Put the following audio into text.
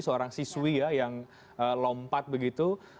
seorang siswi ya yang lompat begitu